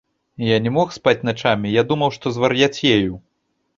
Я не мог спаць начамі, я думаў, што звар'яцею.